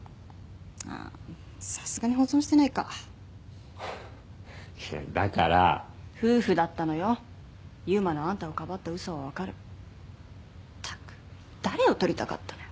ああーさすがに保存してないかだから夫婦だったのよ悠馬のあんたをかばったウソはわかるったく誰を撮りたかったのよ